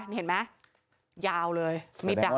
เห็นไหมยาวเลยมีดดาบ